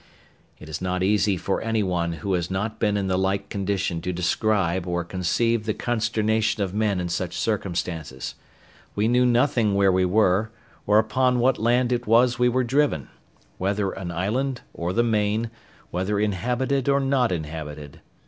It is not easy for any one who has not been in the like condition to describe or conceive the consternation of men in such circumstances. We knew nothing where we were, or upon what land it was we were driven—whether an island or the main, whether inhabited or not inhabited.